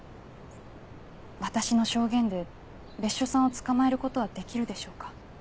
私の証言で別所さんを捕まえることはできるでしょうか。